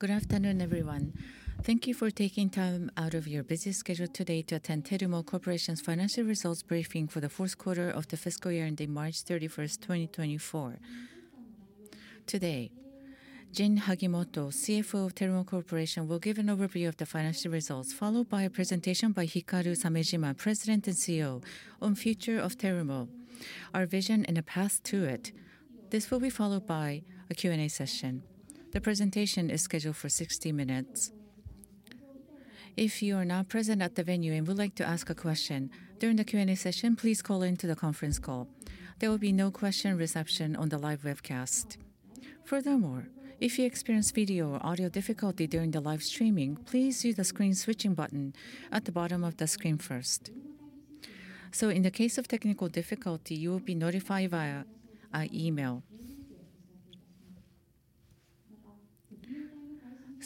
Good afternoon, everyone. Thank you for taking time out of your busy schedule today to attend Terumo Corporation's financial results briefing for the fourth quarter of the fiscal year ending March 31st, 2024. Today, Jin Hagimoto, CFO of Terumo Corporation, will give an overview of the financial results, followed by a presentation by Hikaru Samejima, President and CEO, on the future of Terumo, our vision, and a path to it. This will be followed by a Q&A session. The presentation is scheduled for 60 minutes. If you are not present at the venue and would like to ask a question during the Q&A session, please call into the conference call. There will be no question reception on the live webcast. Furthermore, if you experience video or audio difficulty during the live streaming, please use the screen switching button at the bottom of the screen first. So, in the case of technical difficulty, you will be notified via email.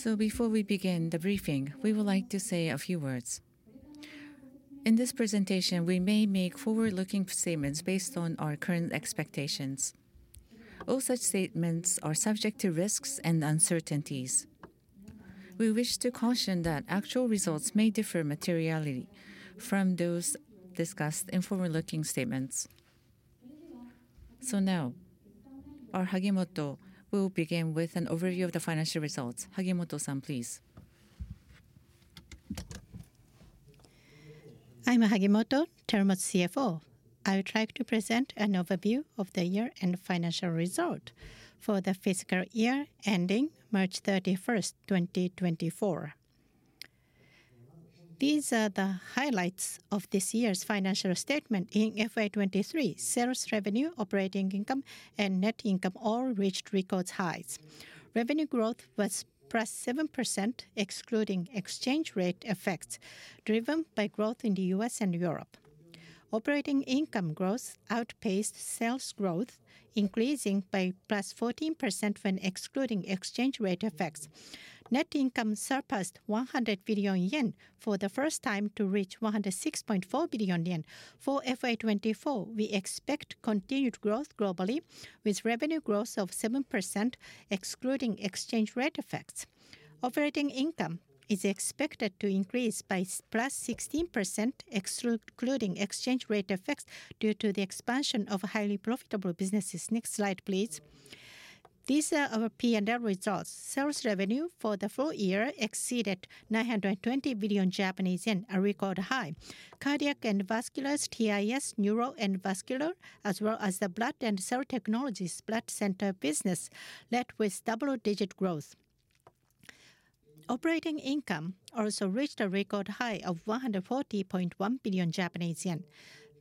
So, before we begin the briefing, we would like to say a few words. In this presentation, we may make forward-looking statements based on our current expectations. All such statements are subject to risks and uncertainties. We wish to caution that actual results may differ in materiality from those discussed in forward-looking statements. So, now, our Hagimoto will begin with an overview of the financial results. Hagimoto-san, please. I'm Hagimoto, Terumo's CFO. I will try to present an overview of the year-end financial result for the fiscal year ending March 31st, 2024. These are the highlights of this year's financial statement. In FY2023, sales revenue, operating income, and net income all reached record highs. Revenue growth was +7%, excluding exchange rate effects, driven by growth in the U.S. and Europe. Operating income growth outpaced sales growth, increasing by +14% when excluding exchange rate effects. Net income surpassed 100 billion yen for the first time to reach 106.4 billion yen. For FY2024, we expect continued growth globally, with revenue growth of 7%, excluding exchange rate effects. Operating income is expected to increase by +16%, excluding exchange rate effects, due to the expansion of highly profitable businesses. Next slide, please. These are our P&L results. Sales revenue for the full year exceeded 920 billion Japanese yen, a record high. Cardiac and Vascular, TIS, Neuro and Vascular, as well as the Blood and Cell Technologies Blood Center business, led with double-digit growth. Operating income also reached a record high of 140.1 billion Japanese yen.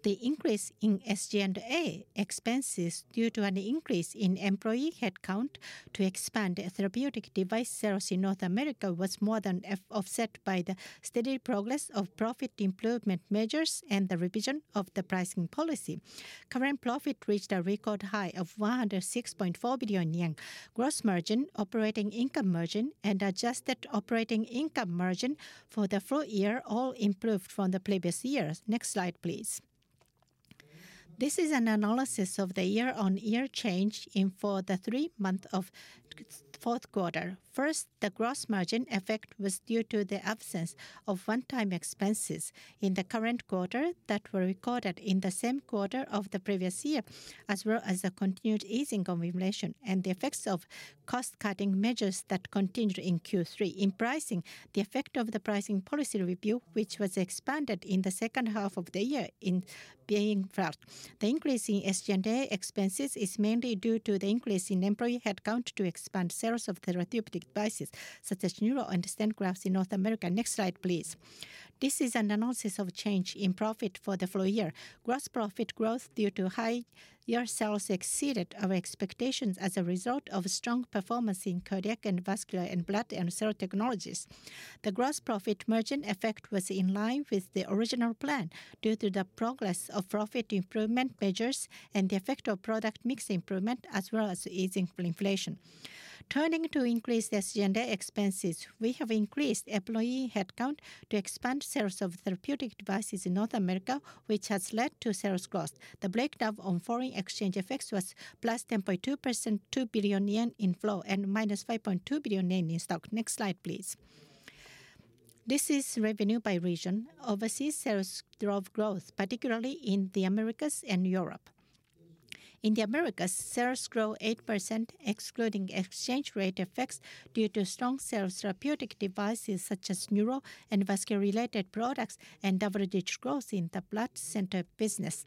The increase in SG&A expenses, due to an increase in employee headcount to expand therapeutic device sales in North America, was more than offset by the steady progress of profit improvement measures and the revision of the pricing policy. Current profit reached a record high of 106.4 billion yen. Gross margin, operating income margin, and adjusted operating income margin for the full year all improved from the previous year. Next slide, please. This is an analysis of the year-on-year change for the three-month of fourth quarter. First, the gross margin effect was due to the absence of one-time expenses in the current quarter that were recorded in the same quarter of the previous year, as well as the continued easing of inflation and the effects of cost-cutting measures that continued in Q3, implying the effect of the pricing policy review, which was expanded in the second half of the year in Beijing VBP. The increase in SG&A expenses is mainly due to the increase in employee headcount to expand sales of therapeutic devices, such as neuro and stent grafts in North America. Next slide, please. This is an analysis of change in profit for the full year. Gross profit growth due to higher sales exceeded our expectations as a result of strong performance in Cardiac and Vascular and Blood and Cell Technologies. The gross profit margin effect was in line with the original plan due to the progress of profit improvement measures and the effect of product mix improvement, as well as easing for inflation. Turning to increase SG&A expenses, we have increased employee headcount to expand sales of therapeutic devices in North America, which has led to sales growth. The breakdown on foreign exchange effects was +10.2%, 2 billion yen in flow, and -5.2 billion yen in stock. Next slide, please. This is revenue by region. Overseas, sales drove growth, particularly in the Americas and Europe. In the Americas, sales grew 8%, excluding exchange rate effects due to strong sales of therapeutic devices, such as neuro and vascular-related products, and double-digit growth in the blood center business.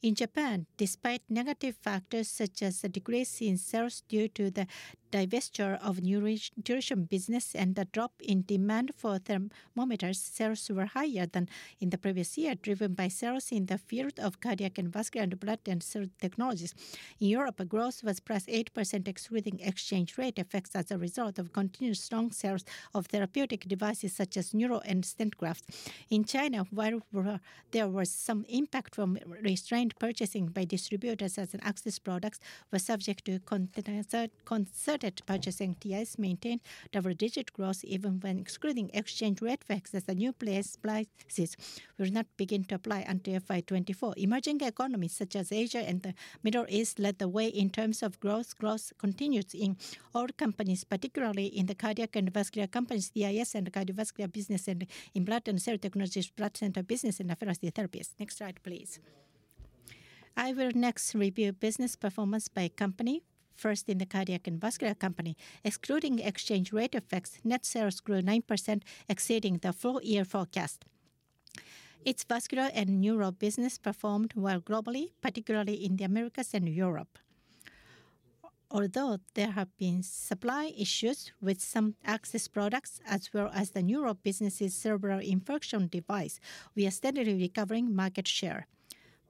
In Japan, despite negative factors such as a decrease in sales due to the divestiture of nutrition business and a drop in demand for thermometers, sales were higher than in the previous year, driven by sales in the field of Cardiac and Vascular and Blood and Cell Technologies. In Europe, growth was plus 8%, excluding exchange rate effects as a result of continued strong sales of therapeutic devices, such as neuro and stent grafts. In China, while there was some impact from restrained purchasing by distributors as access products were subject to concerted purchasing, TIS maintained double-digit growth even when excluding exchange rate effects as new prices were not beginning to apply until FY2024. Emerging economies, such as Asia and the Middle East, led the way in terms of growth. Growth continues in all companies, particularly in the cardiac and vascular companies, TIS and cardiovascular business, and in Blood and Cell Technologies, Blood Center business, and apheresis therapies. Next slide, please. I will next review business performance by company, first in the cardiac and vascular company. Excluding exchange rate effects, net sales grew 9%, exceeding the full-year forecast. Its vascular and neuro business performed well globally, particularly in the Americas and Europe. Although there have been supply issues with some access products, as well as the neuro business's cerebral infarction device, we are steadily recovering market share.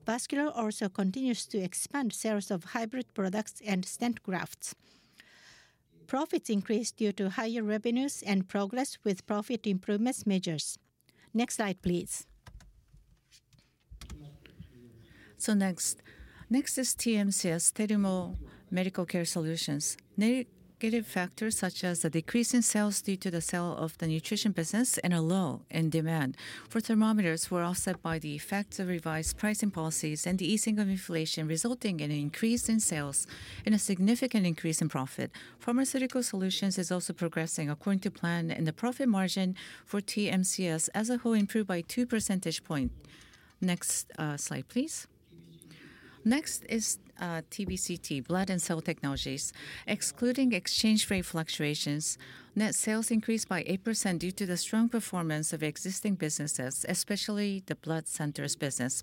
Vascular also continues to expand sales of hybrid products and stent grafts. Profits increased due to higher revenues and progress with profit improvement measures. Next slide, please. So, next. Next is TMCS, Terumo Medical Care Solutions. Negative factors such as a decrease in sales due to the sale of the nutrition business and a low in demand for thermometers were offset by the effects of revised pricing policies and the easing of inflation, resulting in an increase in sales and a significant increase in profit. Pharmaceutical Solutions is also progressing according to plan, and the profit margin for TMCS as a whole improved by 2 percentage points. Next slide, please. Next is TBCT, Blood and Cell Technologies. Excluding exchange rate fluctuations, net sales increased by 8% due to the strong performance of existing businesses, especially the blood centers business.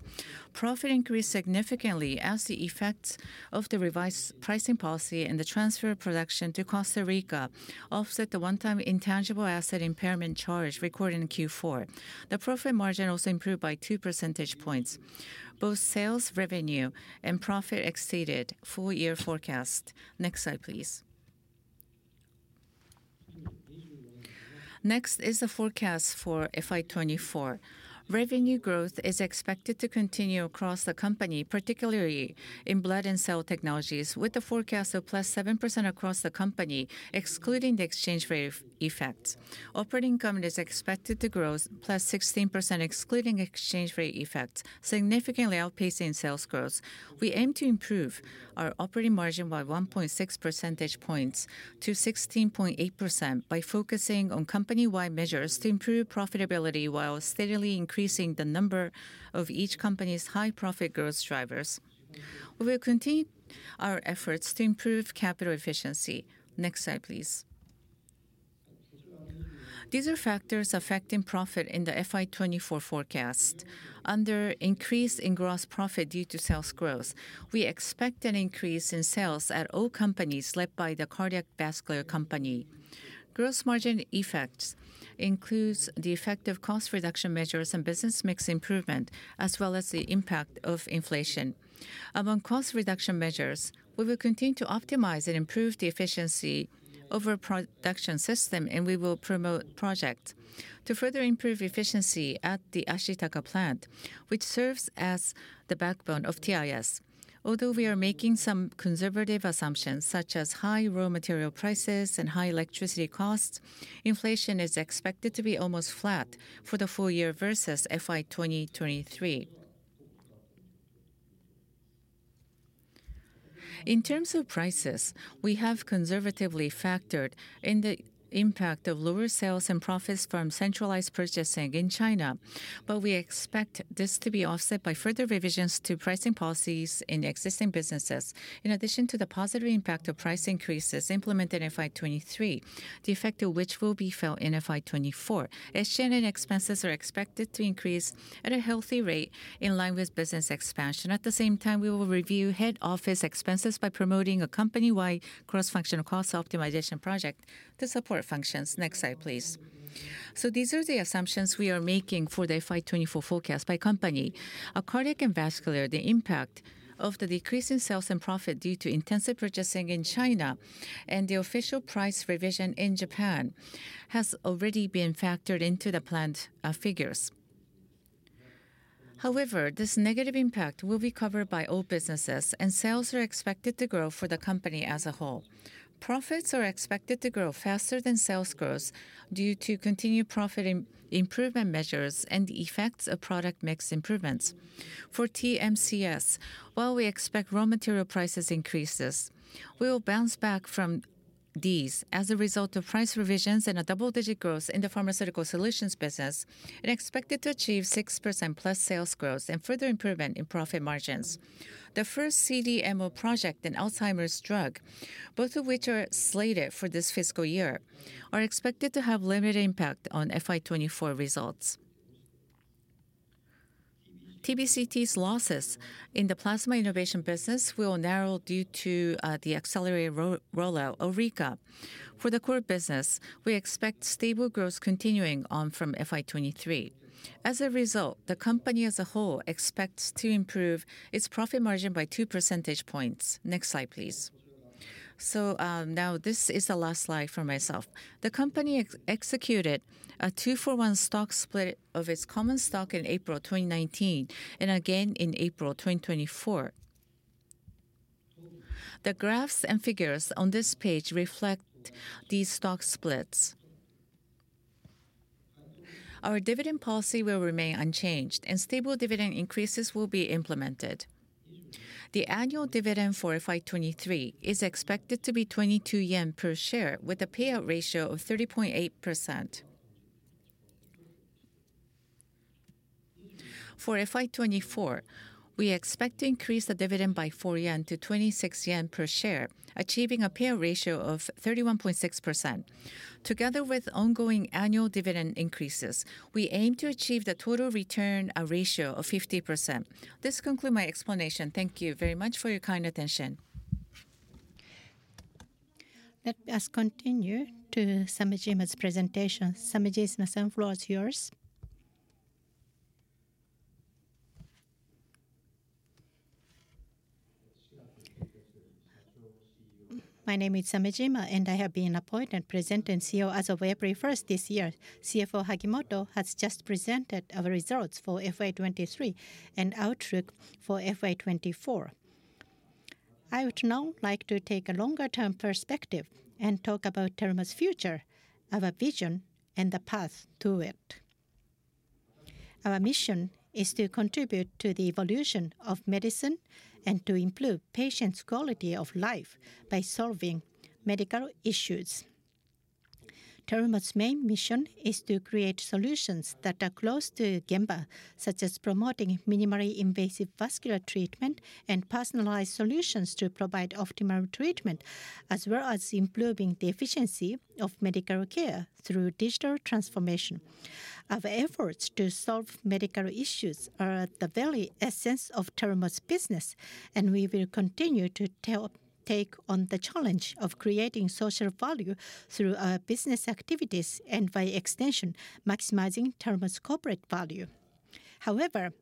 Profit increased significantly as the effects of the revised pricing policy and the transfer of production to Costa Rica offset the one-time intangible asset impairment charge recorded in Q4. The profit margin also improved by 2 percentage points. Both sales revenue and profit exceeded full-year forecast. Next slide, please. Next is the forecast for FY2024. Revenue growth is expected to continue across the company, particularly in Blood and Cell Technologies, with the forecast of +7% across the company, excluding the exchange rate effects. Operating income is expected to grow +16%, excluding exchange rate effects, significantly outpacing sales growth. We aim to improve our operating margin by 1.6 percentage points to 16.8% by focusing on company-wide measures to improve profitability while steadily increasing the number of each company's high-profit growth drivers. We will continue our efforts to improve capital efficiency. Next slide, please. These are factors affecting profit in the FY2024 forecast. Under increase in gross profit due to sales growth, we expect an increase in sales at all companies, led by the Cardiac and Vascular Company. Gross margin effects include the effect of cost reduction measures and business mix improvement, as well as the impact of inflation. Among cost reduction measures, we will continue to optimize and improve the efficiency of our production system, and we will promote projects to further improve efficiency at the Ashitaka plant, which serves as the backbone of TIS. Although we are making some conservative assumptions, such as high raw material prices and high electricity costs, inflation is expected to be almost flat for the full year versus FY2023. In terms of prices, we have conservatively factored in the impact of lower sales and profits from centralized purchasing in China, but we expect this to be offset by further revisions to pricing policies in existing businesses, in addition to the positive impact of price increases implemented in FY23, the effect of which will be felt in FY24. SG&A expenses are expected to increase at a healthy rate in line with business expansion. At the same time, we will review head office expenses by promoting a company-wide cross-functional cost optimization project to support functions. Next slide, please. So, these are the assumptions we are making for the FY24 forecast by company. In Cardiac and Vascular, the impact of the decrease in sales and profit due to centralized purchasing in China and the official price revision in Japan has already been factored into the planned figures. However, this negative impact will be covered by all businesses, and sales are expected to grow for the company as a whole. Profits are expected to grow faster than sales growth due to continued profit improvement measures and the effects of product mix improvements. For TMCS, while we expect raw material prices increases, we will bounce back from these as a result of price revisions and a double-digit growth in the Pharmaceutical Solutions business. It is expected to achieve 6%+ sales growth and further improvement in profit margins. The first CDMO project and Alzheimer's drug, both of which are slated for this fiscal year, are expected to have limited impact on FY2024 results. TBCT's losses in the Plasma Innovation business will narrow due to the accelerated rollout of RIKA. For the core business, we expect stable growth continuing on from FY2023. As a result, the company as a whole expects to improve its profit margin by two percentage points. Next slide, please. So, now, this is the last slide for myself. The company executed a 2-for-1 stock split of its common stock in April 2019 and again in April 2024. The graphs and figures on this page reflect these stock splits. Our dividend policy will remain unchanged, and stable dividend increases will be implemented. The annual dividend for FY23 is expected to be 22 yen per share, with a payout ratio of 30.8%. For FY24, we expect to increase the dividend by 4 yen to 26 yen per share, achieving a payout ratio of 31.6%. Together with ongoing annual dividend increases, we aim to achieve the total return ratio of 50%. This concludes my explanation. Thank you very much for your kind attention. Let us continue to Samejima's presentation. Samejima, the floor is yours. My name is Samejima, and I have been appointed President and CEO as of April 1 this year. CFO Hagimoto has just presented our results for FY2023 and outlook for FY2024. I would now like to take a longer-term perspective and talk about Terumo's future, our vision, and the path to it. Our mission is to contribute to the evolution of medicine and to improve patients' quality of life by solving medical issues. Terumo's main mission is to create solutions that are close to GEMBA, such as promoting minimally invasive vascular treatment and personalized solutions to provide optimal treatment, as well as improving the efficiency of medical care through digital transformation. Our efforts to solve medical issues are at the very essence of Terumo's business, and we will continue to take on the challenge of creating social value through our business activities and, by extension, maximizing Terumo's corporate value. However,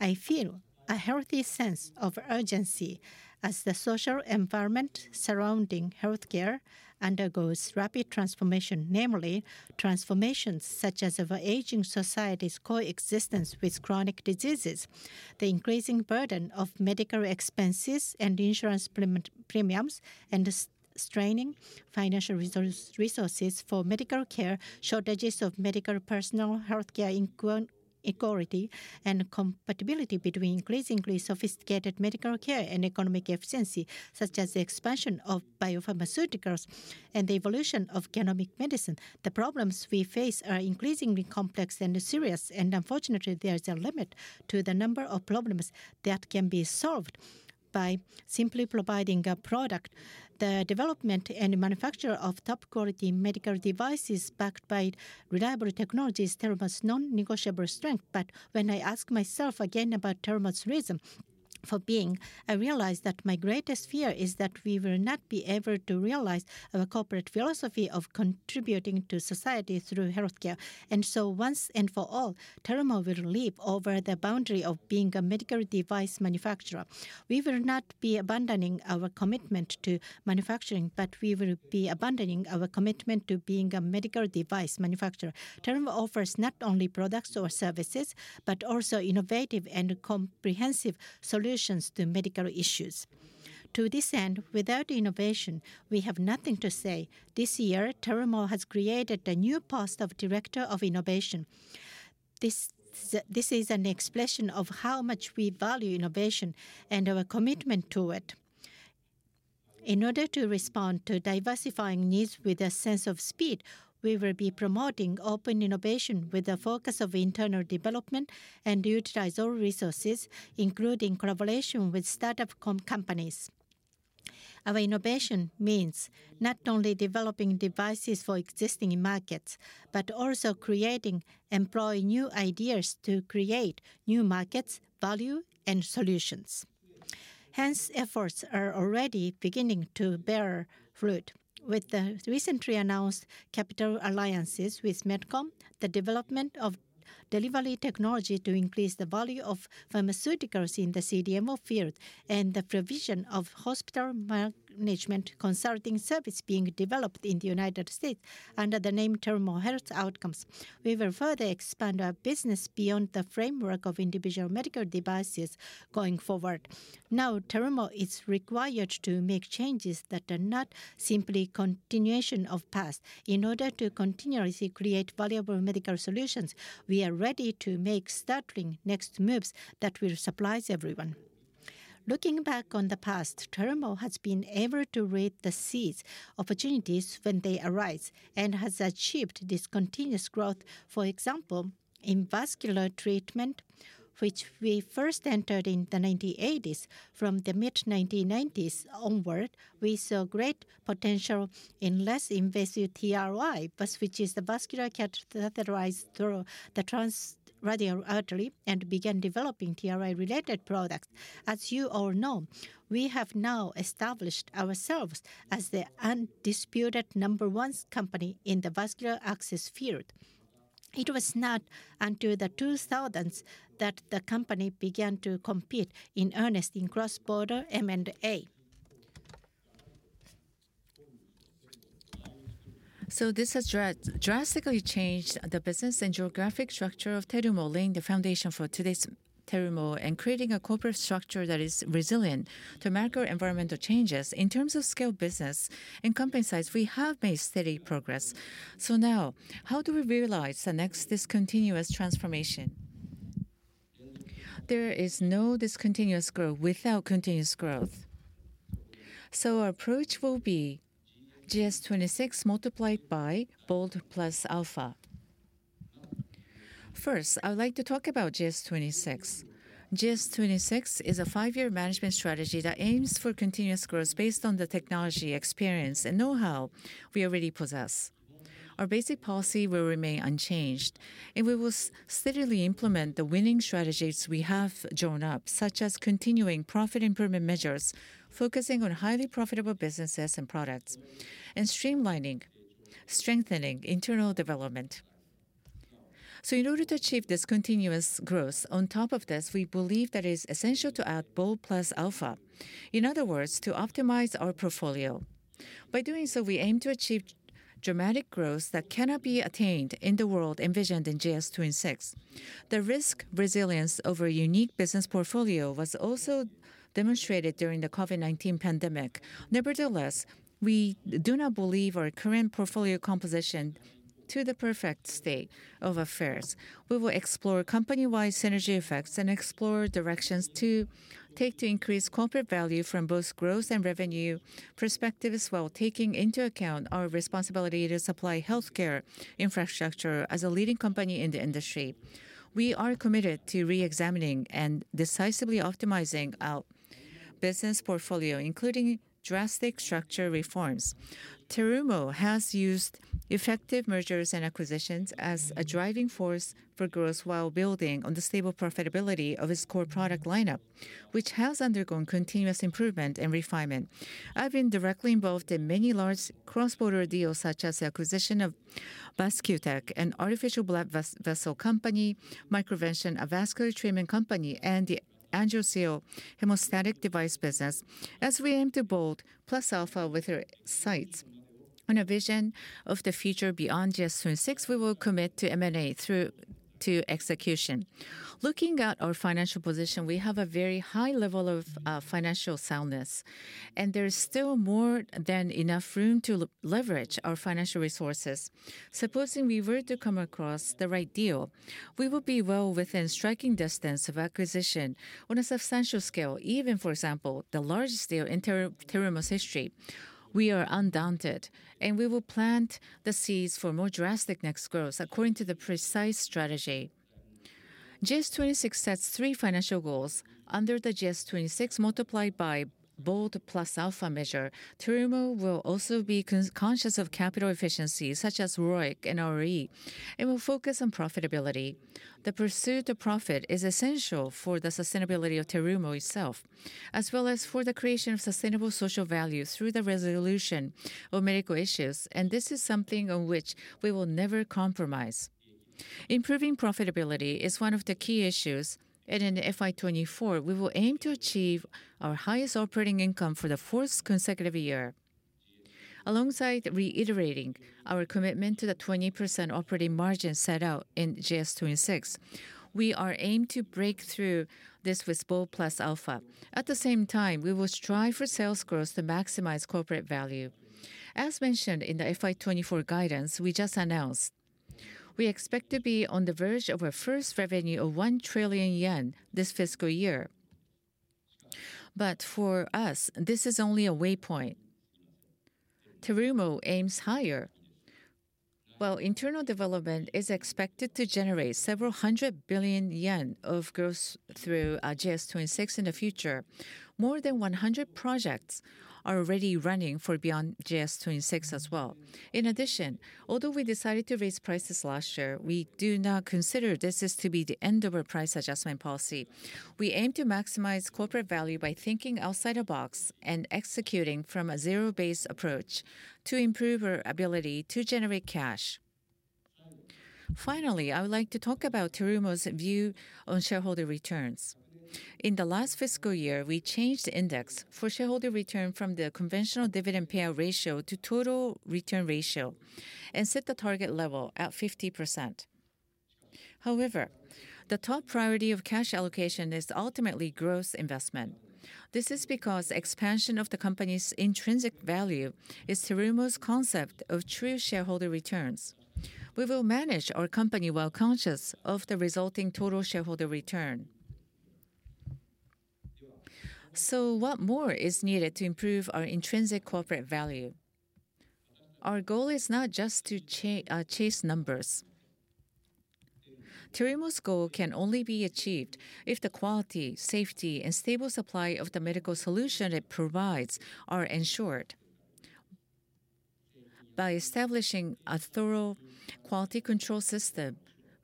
I feel a healthy sense of urgency as the social environment surrounding healthcare undergoes rapid transformation, namely transformations such as of aging society's coexistence with chronic diseases, the increasing burden of medical expenses and insurance premiums, and straining financial resources for medical care, shortages of medical personnel, healthcare inequality, and compatibility between increasingly sophisticated medical care and economic efficiency, such as the expansion of biopharmaceuticals and the evolution of genomic medicine. The problems we face are increasingly complex and serious, and unfortunately, there is a limit to the number of problems that can be solved by simply providing a product. The development and manufacture of top-quality medical devices backed by reliable technology is Terumo's non-negotiable strength. But when I ask myself again about Terumo's reason for being, I realize that my greatest fear is that we will not be able to realize our corporate philosophy of contributing to society through healthcare. And so, once and for all, Terumo will leap over the boundary of being a medical device manufacturer. We will not be abandoning our commitment to manufacturing, but we will be abandoning our commitment to being a medical device manufacturer. Terumo offers not only products or services, but also innovative and comprehensive solutions to medical issues. To this end, without innovation, we have nothing to say. This year, Terumo has created a new post of Director of Innovation. This is an expression of how much we value innovation and our commitment to it. In order to respond to diversifying needs with a sense of speed, we will be promoting open innovation with a focus on internal development and utilize all resources, including collaboration with startup companies. Our innovation means not only developing devices for existing markets, but also creating and employing new ideas to create new markets, value, and solutions. Hence, efforts are already beginning to bear fruit. With the recently announced capital alliances with Medmain, the development of delivery technology to increase the value of pharmaceuticals in the CDMO field, and the provision of hospital management consulting service being developed in the United States under the name Terumo Health Outcomes, we will further expand our business beyond the framework of individual medical devices going forward. Now, Terumo is required to make changes that are not simply a continuation of the past. In order to continuously create valuable medical solutions, we are ready to make startling next moves that will surprise everyone. Looking back on the past, Terumo has been able to reap the seeds of opportunities when they arise and has achieved this continuous growth. For example, in vascular treatment, which we first entered in the 1980s, from the mid-1990s onward, we saw great potential in less invasive TRI, which is the vascular catheterized through the transradial artery, and began developing TRI-related products. As you all know, we have now established ourselves as the undisputed number one company in the vascular access field. It was not until the 2000s that the company began to compete in earnest in cross-border M&A. So, this has drastically changed the business and geographic structure of Terumo, laying the foundation for today's Terumo, and creating a corporate structure that is resilient to macro-environmental changes. In terms of scale of business and company size, we have made steady progress. So, now, how do we realize the next discontinuous transformation? There is no discontinuous growth without continuous growth. So, our approach will be GS26 multiplied by Bold Plus Alpha. First, I would like to talk about GS26. GS26 is a five-year management strategy that aims for continuous growth based on the technology experience and know-how we already possess. Our basic policy will remain unchanged, and we will steadily implement the winning strategies we have drawn up, such as continuing profit improvement measures, focusing on highly profitable businesses and products, and streamlining, strengthening internal development. So, in order to achieve this continuous growth, on top of this, we believe that it is essential to add Bold Plus Alpha. In other words, to optimize our portfolio. By doing so, we aim to achieve dramatic growth that cannot be attained in the world envisioned in GS26. The risk resilience over a unique business portfolio was also demonstrated during the COVID-19 pandemic. Nevertheless, we do not believe our current portfolio composition is in the perfect state of affairs. We will explore company-wide synergy effects and explore directions to take to increase corporate value from both growth and revenue perspectives, while taking into account our responsibility to supply healthcare infrastructure as a leading company in the industry. We are committed to reexamining and decisively optimizing our business portfolio, including drastic structure reforms. Terumo has used effective mergers and acquisitions as a driving force for growth, while building on the stable profitability of its core product lineup, which has undergone continuous improvement and refinement. I have been directly involved in many large cross-border deals, such as the acquisition of Vascutek, an artificial blood vessel company, MicroVention, a vascular treatment company, and the Angio-Seal hemostatic device business, as we aim to Bold Plus Alpha with our sights on a vision of the future beyond GS26. We will commit to M&A through to execution. Looking at our financial position, we have a very high level of financial soundness, and there is still more than enough room to leverage our financial resources. Supposing we were to come across the right deal, we would be well within striking distance of acquisition on a substantial scale, even, for example, the largest deal in Terumo's history. We are undoubtedly, and we will plant the seeds for more drastic next growth according to the precise strategy. GS26 sets three financial goals. Under the GS26 multiplied by Bold Plus Alpha measure, Terumo will also be conscious of capital efficiencies, such as ROIC and ROE, and will focus on profitability. The pursuit of profit is essential for the sustainability of Terumo itself, as well as for the creation of sustainable social value through the resolution of medical issues. This is something on which we will never compromise. Improving profitability is one of the key issues. In FY2024, we will aim to achieve our highest operating income for the fourth consecutive year. Alongside reiterating our commitment to the 20% operating margin set out in GS26, we are aiming to break through this with Bold Plus Alpha. At the same time, we will strive for sales growth to maximize corporate value. As mentioned in the FY2024 guidance we just announced, we expect to be on the verge of our first revenue of 1 trillion yen this fiscal year. But for us, this is only a waypoint. Terumo aims higher. While internal development is expected to generate several hundred billion yen of growth through GS26 in the future, more than 100 projects are already running for beyond GS26 as well. In addition, although we decided to raise prices last year, we do not consider this to be the end of our price adjustment policy. We aim to maximize corporate value by thinking outside the box and executing from a zero-based approach to improve our ability to generate cash. Finally, I would like to talk about Terumo's view on shareholder returns. In the last fiscal year, we changed the index for shareholder return from the conventional dividend payout ratio to total return ratio and set the target level at 50%. However, the top priority of cash allocation is ultimately growth investment. This is because expansion of the company's intrinsic value is Terumo's concept of true shareholder returns. We will manage our company while conscious of the resulting total shareholder return. So, what more is needed to improve our intrinsic corporate value? Our goal is not just to chase numbers. Terumo's goal can only be achieved if the quality, safety, and stable supply of the medical solution it provides are ensured. By establishing a thorough quality control system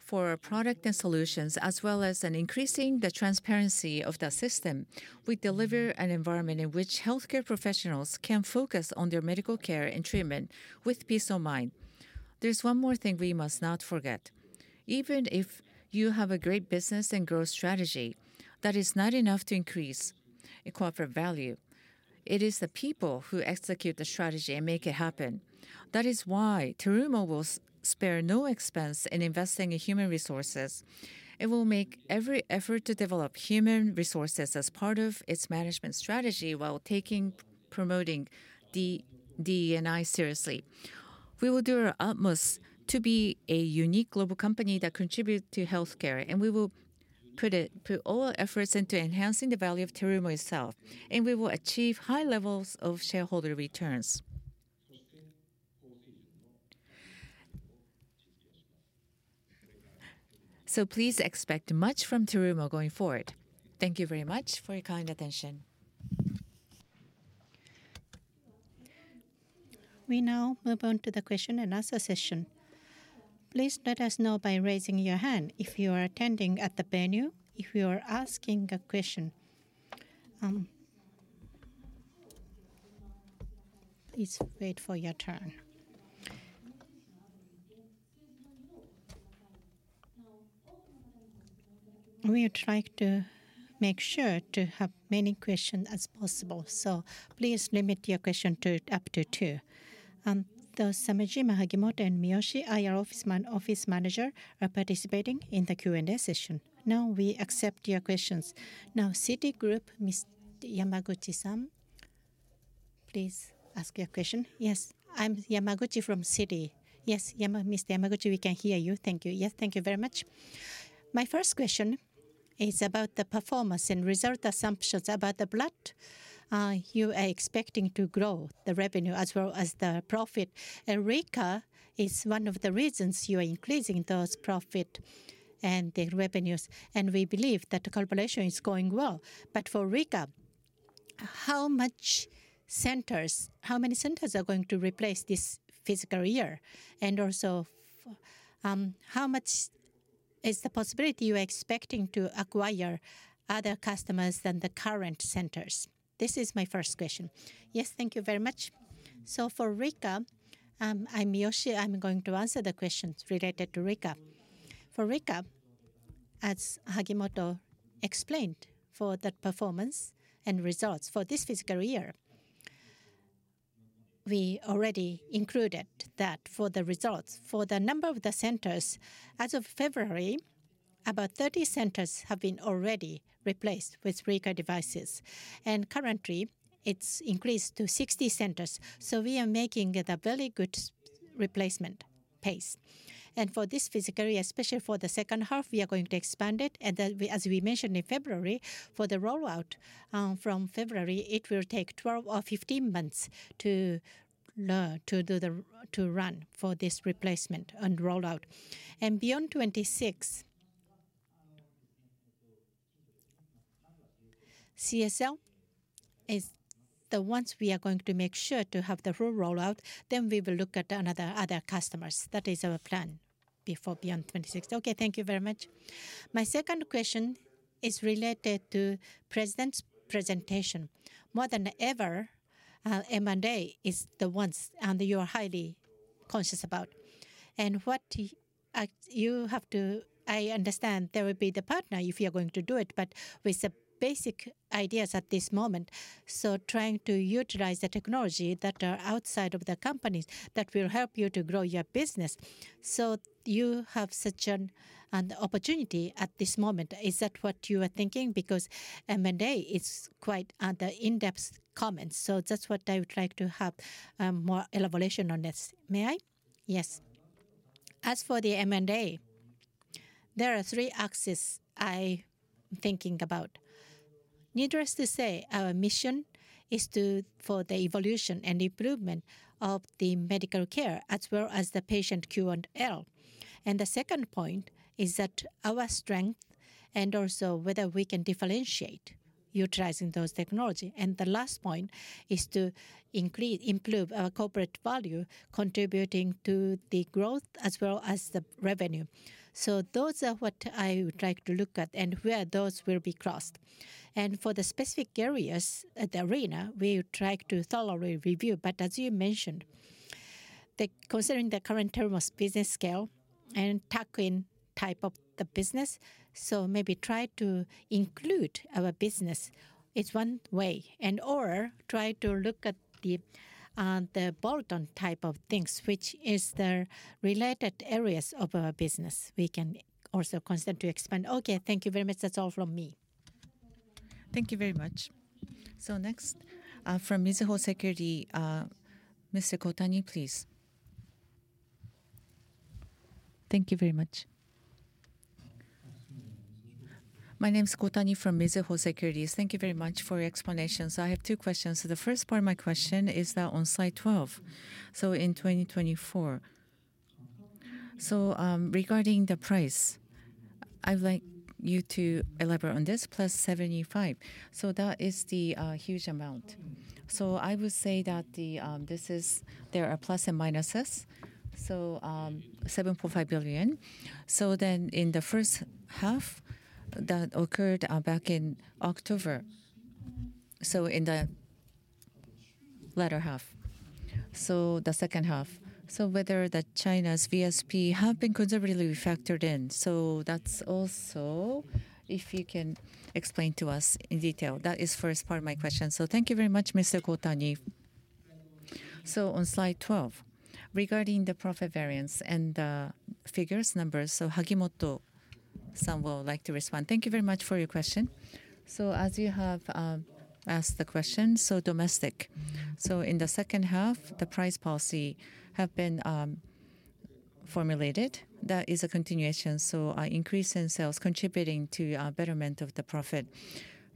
for our product and solutions, as well as increasing the transparency of the system, we deliver an environment in which healthcare professionals can focus on their medical care and treatment with peace of mind. There's one more thing we must not forget. Even if you have a great business and growth strategy that is not enough to increase corporate value, it is the people who execute the strategy and make it happen. That is why Terumo will spare no expense in investing in human resources. It will make every effort to develop human resources as part of its management strategy while promoting D&I seriously. We will do our utmost to be a unique global company that contributes to healthcare, and we will put all our efforts into enhancing the value of Terumo itself. We will achieve high levels of shareholder returns. So, please expect much from Terumo going forward. Thank you very much for your kind attention. We now move on to the question and answer session. Please let us know by raising your hand if you are attending at the venue, if you are asking a question. Please wait for your turn. Now, we would like to make sure to have as many questions as possible. So, please limit your questions to up to two. Samejima, Hagimoto, and Miyoshi are the ones participating in the Q&A session. Now, we accept your questions. Now, Citigroup, Mr. Yamaguchi-san, please ask your question. Yes, I'm Yamaguchi from Citi. Yes, Mr. Yamaguchi, we can hear you. Thank you. Yes, thank you very much. My first question is about the performance and result assumptions about the blood. You are expecting to grow the revenue as well as the profit. RIKA is one of the reasons you are increasing those profits and the revenues. We believe that the collaboration is going well. But for RIKA, how many centers are going to replace this fiscal year? And also, how much is the possibility you are expecting to acquire other customers than the current centers? This is my first question. Yes, thank you very much. So, for RIKA, I'm Miyoshi. I'm going to answer the questions related to RIKA. For RIKA, as Hagimoto explained, for the performance and results for this fiscal year, we already included that for the results. For the number of the centers, as of February, about 30 centers have been already replaced with RIKA devices. And currently, it's increased to 60 centers. So, we are making a very good replacement pace. For this fiscal year, especially for the second half, we are going to expand it. As we mentioned in February, for the rollout from February, it will take 12 or 15 months to run for this replacement and rollout. Beyond 2026, CSL is the ones we are going to make sure to have the full rollout. Then we will look at other customers. That is our plan before beyond 2026. Okay, thank you very much. My second question is related to the president's presentation. More than ever, M&A is the ones that you are highly conscious about. What you have to understand, there will be the partner if you are going to do it, but with the basic ideas at this moment. Trying to utilize the technology that is outside of the companies that will help you to grow your business. So, you have such an opportunity at this moment. Is that what you are thinking? Because M&A is quite an in-depth comment. So, that's what I would like to have more elaboration on this. May I? Yes. As for the M&A, there are three axes I'm thinking about. Needless to say, our mission is for the evolution and improvement of the medical care, as well as the patient Q&L. And the second point is that our strength and also whether we can differentiate utilizing those technologies. And the last point is to improve our corporate value, contributing to the growth as well as the revenue. So, those are what I would like to look at and where those will be crossed. And for the specific areas at the arena, we will try to thoroughly review. But as you mentioned, considering the current Terumo's business scale and tuck-in type of the business, so maybe try to include our business is one way. And/or try to look at the bold type of things, which is the related areas of our business. We can also consider to expand. Okay, thank you very much. That's all from me. Thank you very much. So, next from Mizuho Securities, Mr. Kotani, please. Thank you very much. My name is Kotani from Mizuho Securities. Thank you very much for your explanations. I have two questions. The first part of my question is that on slide 12, so in 2024. So, regarding the price, I would like you to elaborate on this, plus 75. So, that is the huge amount. So, I would say that there are plus and minuses. So, 7.5 billion. So, then in the first half that occurred back in October, so in the latter half, so the second half, so whether China's VBP have been conservatively factored in. So, that's also if you can explain to us in detail. That is the first part of my question. So, thank you very much, Mr. Kotani. So, on slide 12, regarding the profit variance and the figures, numbers, so Hagimoto-san will like to respond. Thank you very much for your question. So, as you have asked the question, so domestic. So, in the second half, the price policy has been formulated. That is a continuation. So, an increase in sales, contributing to betterment of the profit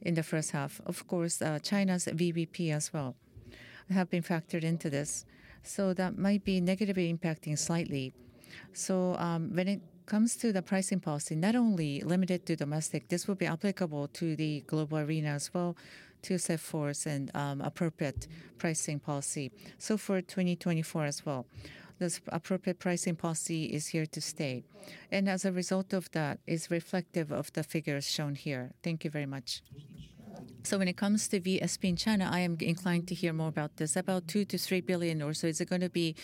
in the first half. Of course, China's VBP as well have been factored into this. So, that might be negatively impacting slightly. So, when it comes to the pricing policy, not only limited to domestic, this will be applicable to the global arena as well to set forth an appropriate pricing policy. So, for 2024 as well, this appropriate pricing policy is here to stay. And as a result of that, it's reflective of the figures shown here. Thank you very much. So, when it comes to VBP in China, I am inclined to hear more about this, about 2 billion-3 billion or so. Is it going to be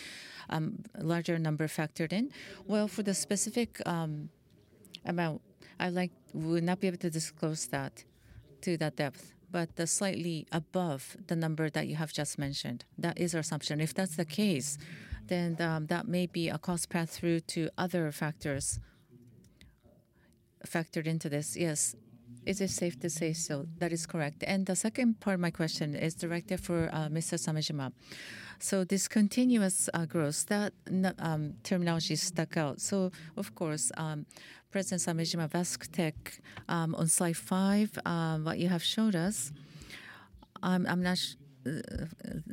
a larger number factored in? Well, for the specific amount, I would not be able to disclose that to that depth. But slightly above the number that you have just mentioned, that is our assumption. If that's the case, then that may be a cost pass-through to other factors factored into this. Yes. Is it safe to say so? That is correct. The second part of my question is directed to Mr. Samejima. So, discontinuous growth, that terminology stuck out. So, of course, President Samejima, Vascutek on slide five, what you have shown us, I'm not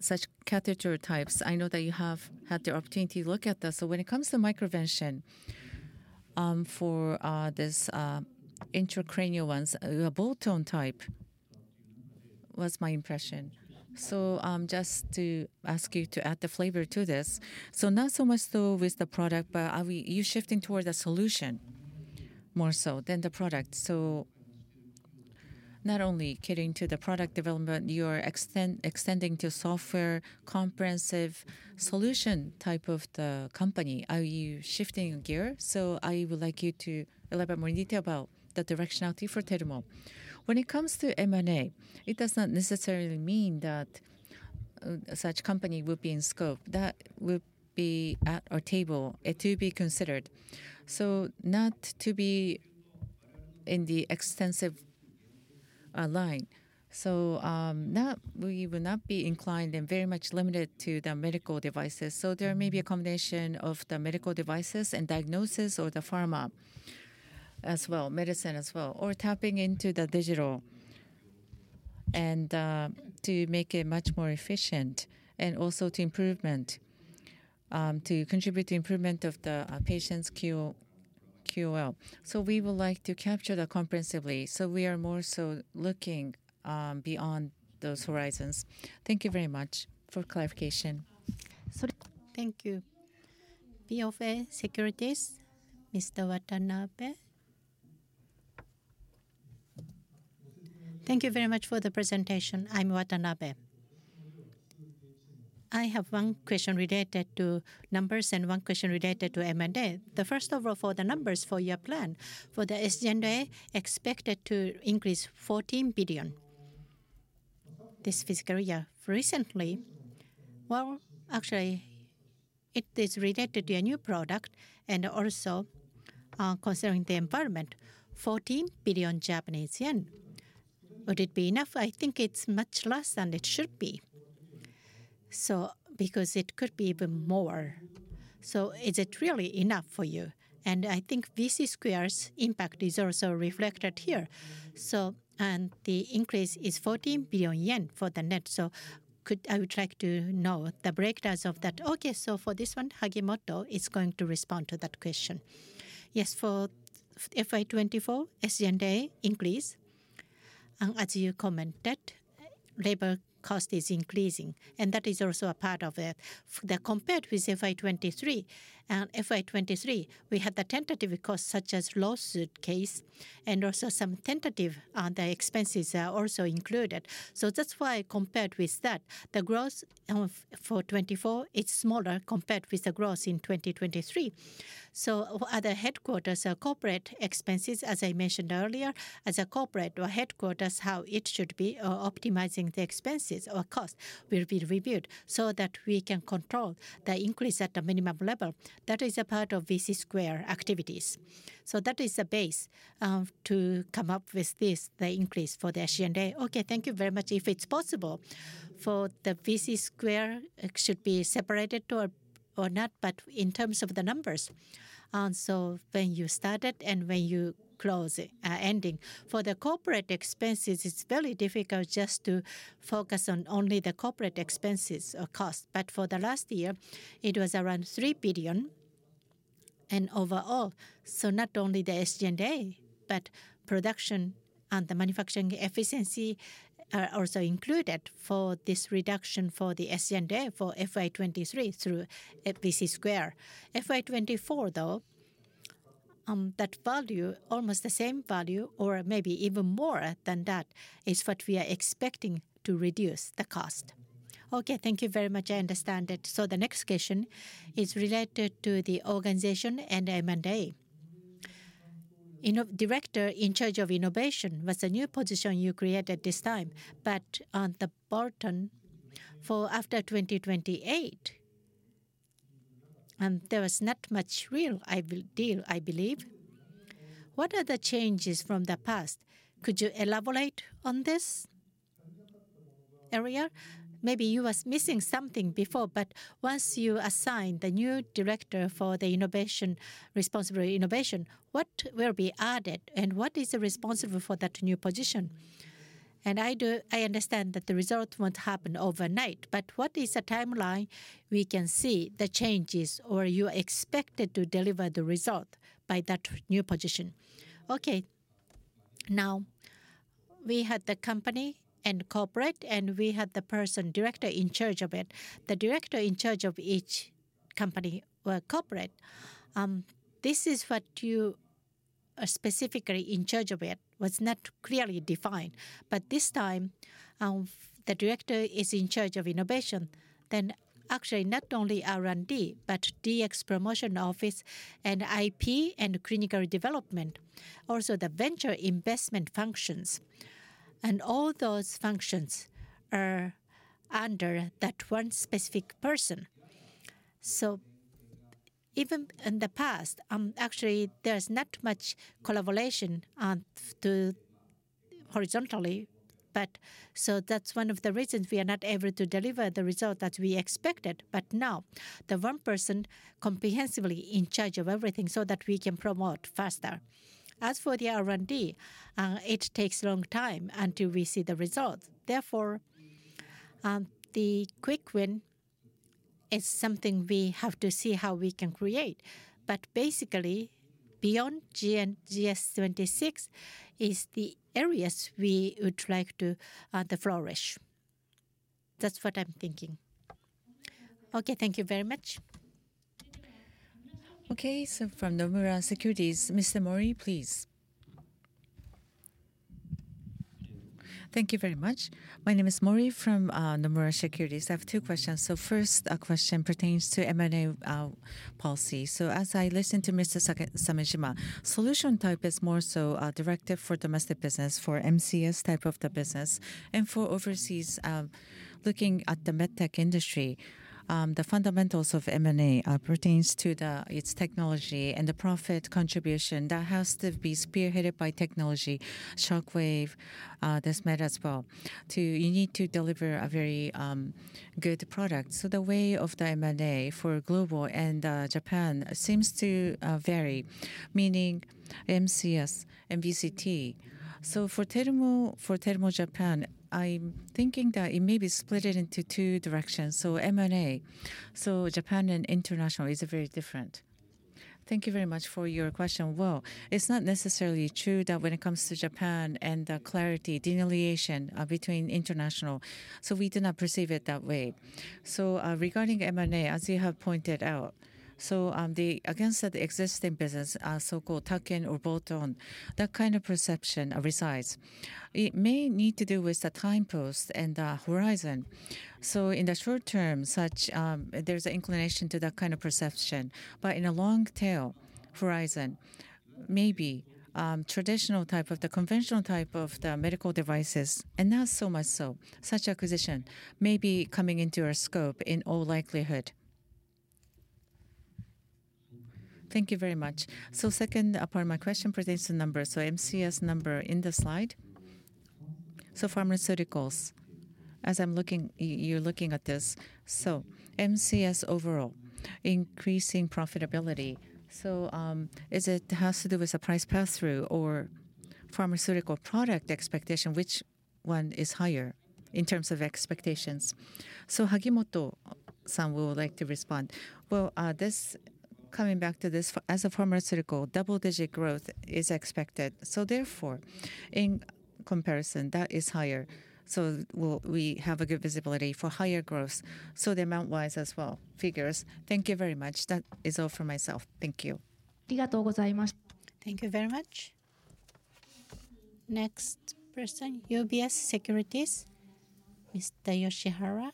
such catheter types. I know that you have had the opportunity to look at this. So, when it comes to MicroVention for these intracranial ones, a bolt-on type was my impression. So, just to ask you to add the flavor to this. So, not so much though with the product, but are you shifting towards a solution more so than the product? So, not only getting to the product development, you are extending to software comprehensive solution type of the company. Are you shifting gear? So, I would like you to elaborate more in detail about the directionality for Terumo. When it comes to M&A, it does not necessarily mean that such a company would be in scope. That would be at our table to be considered. So, not to be in the extensive line. So, we will not be inclined and very much limited to the medical devices. So, there may be a combination of the medical devices and diagnosis or the pharma as well, medicine as well, or tapping into the digital and to make it much more efficient and also to contribute to improvement of the patient's QOL. So, we would like to capture that comprehensively. So, we are more so looking beyond those horizons. Thank you very much for clarification. So. Thank you. BofA Securities, Mr. Watanabe. Thank you very much for the presentation. I'm Watanabe. I have one question related to numbers and one question related to M&A. First of all, for the numbers for your plan, for the SG&A, expected to increase 14 billion this fiscal year. Recently, well, actually, it is related to a new product. And also, considering the environment, 14 billion Japanese yen. Would it be enough? I think it's much less than it should be. So, because it could be even more. So, is it really enough for you? And I think VC Square's impact is also reflected here. So, the increase is 14 billion yen for the net. So, I would like to know the breakdowns of that. Okay, so for this one, Hagimoto is going to respond to that question. Yes, for FY2024, SG&A increase. As you commented, labor cost is increasing. And that is also a part of it. Compared with FY2023, we had the tentative costs such as lawsuit case and also some tentative expenses are also included. So, that's why compared with that, the growth for 2024 is smaller compared with the growth in 2023. So, other headquarters or corporate expenses, as I mentioned earlier, as a corporate or headquarters, how it should be optimizing the expenses or cost will be reviewed so that we can control the increase at the minimum level. That is a part of VC Square activities. So, that is the base to come up with this, the increase for the SG&A. Okay, thank you very much. If it's possible, for the VC Square, it should be separated or not, but in terms of the numbers. So, when you started and when you close, ending, for the corporate expenses, it's very difficult just to focus on only the corporate expenses or costs. But for the last year, it was around 3 billion. Overall, so not only the SG&A, but production and the manufacturing efficiency are also included for this reduction for the SG&A for FY2023 through VC Square. FY2024, though, that value, almost the same value or maybe even more than that, is what we are expecting to reduce the cost. Okay, thank you very much. I understand it. So, the next question is related to the organization and M&A. Director in charge of innovation was a new position you created this time. But on the bottom, for after 2028, there was not much real deal, I believe. What are the changes from the past? Could you elaborate on this area? Maybe you were missing something before. But once you assign the new director for the responsible innovation, what will be added and what is responsible for that new position? And I understand that the result won't happen overnight. But what is a timeline we can see the changes or you are expected to deliver the result by that new position? Okay. Now, we had the company and corporate, and we had the person director in charge of it. The director in charge of each company or corporate, this is what you are specifically in charge of. It was not clearly defined. But this time, the director is in charge of innovation. Then actually, not only R&D, but DX promotion office and IP and clinical development, also the venture investment functions. And all those functions are under that one specific person. So, even in the past, actually, there's not much collaboration horizontally. But so, that's one of the reasons we are not able to deliver the result that we expected. But now, the one person comprehensively in charge of everything so that we can promote faster. As for the R&D, it takes a long time until we see the results. Therefore, the quick win is something we have to see how we can create. But basically, beyond GS26 is the areas we would like to flourish. That's what I'm thinking. Okay, thank you very much. Okay, so from Nomura Securities, Mr. Mori, please. Thank you very much. My name is Mori from Nomura Securities. I have two questions. So, first question pertains to M&A policy. So, as I listened to Mr. Samejima, solution type is more so a directive for domestic business, for MCS type of the business. And for overseas, looking at the medtech industry, the fundamentals of M&A pertains to its technology and the profit contribution. That has to be spearheaded by technology, shockwave, this meta as well. You need to deliver a very good product. The way of the M&A for global and Japan seems to vary, meaning MCS and BCT. For Terumo Japan, I'm thinking that it may be split into two directions. M&A, so Japan and international is very different. Thank you very much for your question. Well, it's not necessarily true that when it comes to Japan and the delineation between international, so we do not perceive it that way. Regarding M&A, as you have pointed out, so against the existing business, so-called tuck-in or bolt-on, that kind of perception resides. It may need to do with the timeframe and the horizon. In the short term, there's an inclination to that kind of perception. But in a long tail horizon, maybe traditional type of the conventional type of the medical devices and not so much so, such acquisition may be coming into our scope in all likelihood. Thank you very much. Second part of my question pertains to numbers. MCS number in the slide. Pharmaceuticals, as I'm looking, you're looking at this. MCS overall, increasing profitability. Is it has to do with a price pass-through or pharmaceutical product expectation, which one is higher in terms of expectations? Hagimoto-san will like to respond. Well, coming back to this, as a pharmaceutical, double-digit growth is expected. Therefore, in comparison, that is higher. We have a good visibility for higher growth. The amount-wise as well, figures. Thank you very much. That is all from myself. Thank you. Thank you very much. Next person, UBS Securities, Ms. Yoshihara.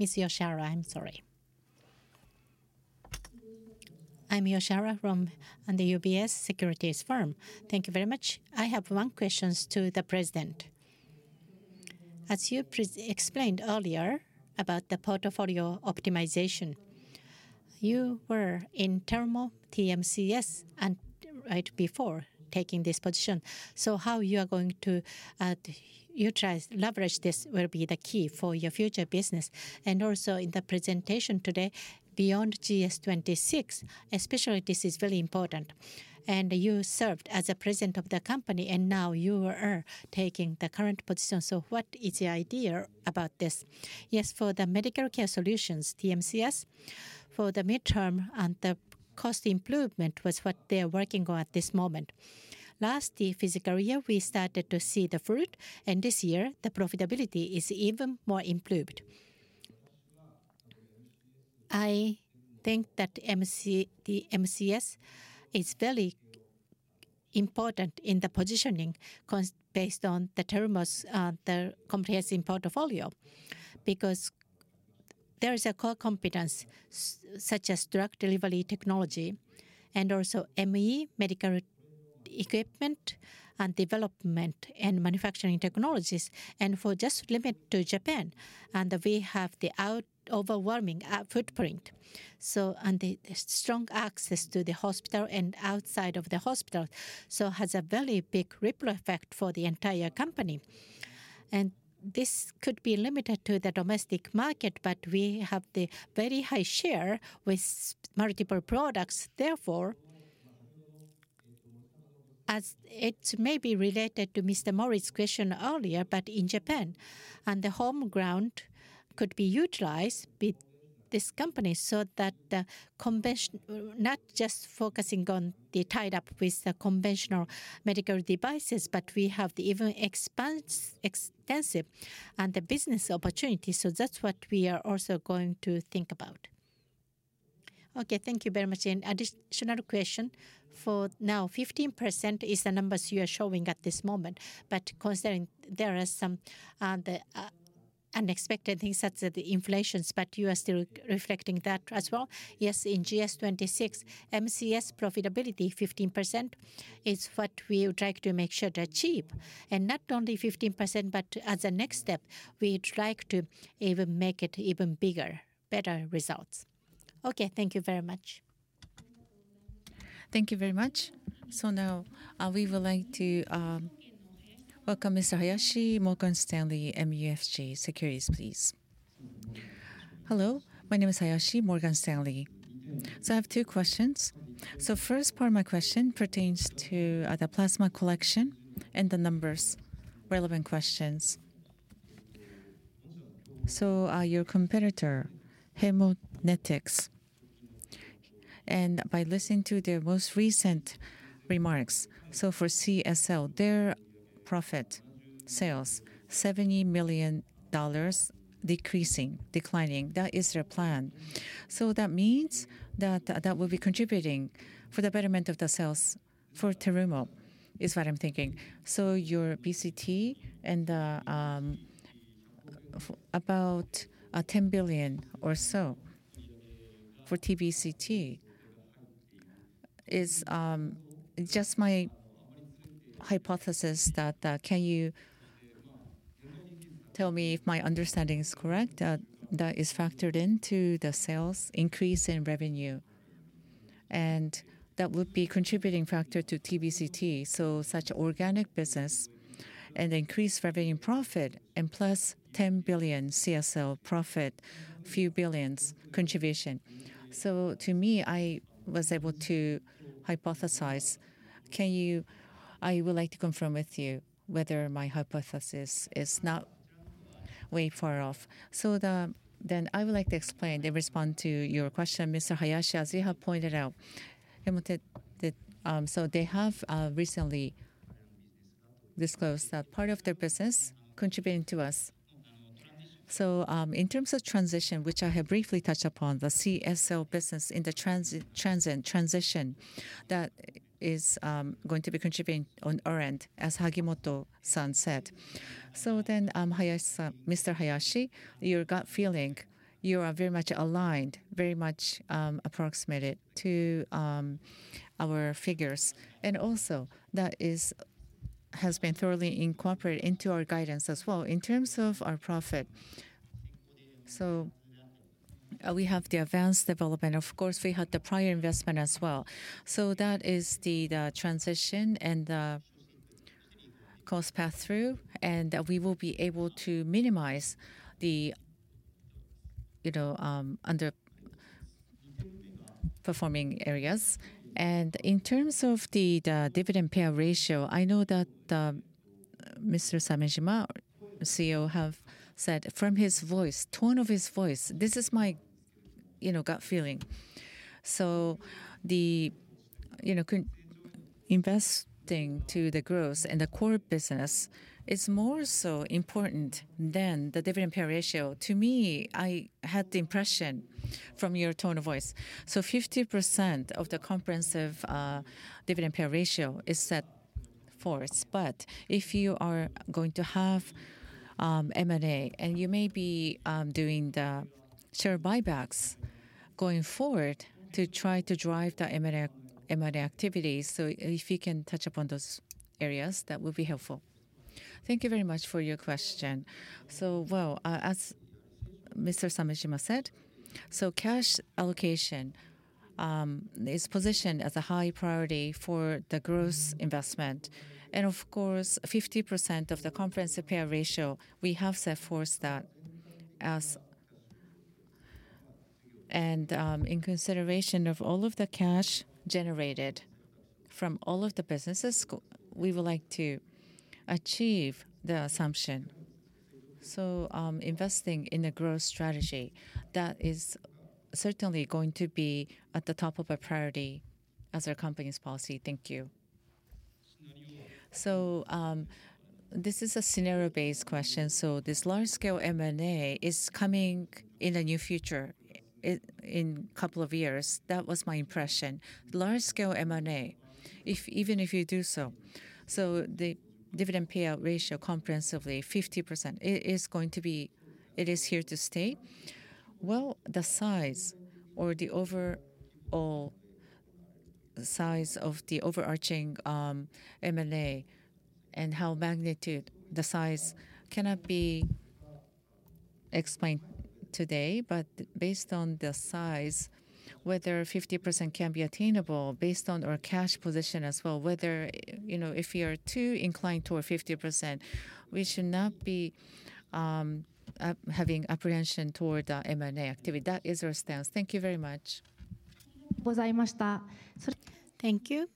Yoshihara, I'm sorry. I'm Yoshihara from the UBS Securities firm. Thank you very much. I have one question to the president. As you explained earlier about the portfolio optimization, you were in Terumo TMCS right before taking this position. So, how you are going to utilize, leverage this will be the key for your future business. And also, in the presentation today, beyond GS26, especially this is very important. And you served as a president of the company, and now you are taking the current position. So, what is the idea about this? Yes, for the Medical Care Solutions, TMCS, for the midterm and the cost improvement was what they're working on at this moment. Last fiscal year, we started to see the fruit. And this year, the profitability is even more improved. I think that TMCS is very important in the positioning based on Terumo's comprehensive portfolio because there is a core competence such as drug delivery technology and also ME, medical equipment and development and manufacturing technologies. For just limited to Japan, we have the overwhelming footprint. So, and the strong access to the hospital and outside of the hospital, so has a very big ripple effect for the entire company. This could be limited to the domestic market, but we have the very high share with multiple products. Therefore, as it may be related to Mr. Mori's question earlier, but in Japan, and the home ground could be utilized with this company so that not just focusing on the tied up with the conventional medical devices, but we have the even expansive and the business opportunity. So, that's what we are also going to think about. Okay, thank you very much. Additional question. For now, 15% is the numbers you are showing at this moment. But considering there are some unexpected things such as the inflations, but you are still reflecting that as well. Yes, in GS26, MCS profitability 15% is what we would like to make sure to achieve. And not only 15%, but as a next step, we would like to even make it even bigger, better results. Okay, thank you very much. Thank you very much. Now we would like to welcome Mr. Hayashi, Morgan Stanley MUFG Securities, please. Hello, my name is Hayashi, Morgan Stanley. I have two questions. First part of my question pertains to the plasma collection and the numbers, relevant questions. Your competitor, Haemonetics. And by listening to their most recent remarks, for CSL, their profit sales $70 million decreasing, declining. That is their plan. So, that means that that will be contributing for the betterment of the sales for Terumo is what I'm thinking. So, your BCT and about 10 billion or so for TBCT is just my hypothesis that can you tell me if my understanding is correct that is factored into the sales increase in revenue. And that would be contributing factor to TBCT, so such organic business and increased revenue profit and plus 10 billion CSL profit, few billions yen contribution. So, to me, I was able to hypothesize, can you, I would like to confirm with you whether my hypothesis is not way far off. So, then I would like to explain the response to your question. Mr. Hayashi, as you have pointed out, Haemonetics, so they have recently disclosed that part of their business contributing to us. In terms of transition, which I have briefly touched upon, the CSL business in the transit, transition, that is going to be contributing on our end, as Hagimoto-san said. Then, Mr. Hayashi, your gut feeling, you are very much aligned, very much approximated to our figures. Also, that has been thoroughly incorporated into our guidance as well in terms of our profit. We have the advanced development. Of course, we had the prior investment as well. That is the transition and the cost pass-through. We will be able to minimize the, you know, underperforming areas. In terms of the dividend payout ratio, I know that Mr. Samejima, CEO, have said from his voice, tone of his voice, this is my, you know, gut feeling. So, you know, investing to the growth and the core business is more so important than the dividend payout ratio. To me, I had the impression from your tone of voice. So, 50% of the comprehensive dividend payout ratio is set forth. But if you are going to have M&A and you may be doing the share buybacks going forward to try to drive the M&A activities. So, if you can touch upon those areas, that will be helpful. Thank you very much for your question. So, well, as Mr. Samejima said, so cash allocation is positioned as a high priority for the growth investment. And of course, 50% of the comprehensive payout ratio, we have set forth that as. And in consideration of all of the cash generated from all of the businesses, we would like to achieve the assumption. So, investing in a growth strategy, that is certainly going to be at the top of our priority as our company's policy. Thank you. So, this is a scenario-based question. So, this large-scale M&A is coming in the near future, in a couple of years. That was my impression. Large-scale M&A, even if you do so. So, the dividend payout ratio comprehensively, 50%, it is going to be, it is here to stay. Well, the size or the overall size of the overarching M&A and how magnitude the size cannot be explained today. But based on the size, whether 50% can be attainable based on our cash position as well, whether, you know, if we are too inclined toward 50%, we should not be having apprehension toward the M&A activity. That is our stance. Thank you very much. Thank you.